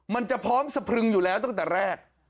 มันจะพร้อมสะพรึงอยู่แล้วตั้งแต่แรก